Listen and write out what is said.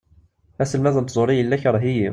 Aselmad n tẓuri yella ikreh-iyi.